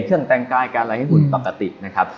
เครื่องแต่งกายการอะไรให้คุณปกตินะครับ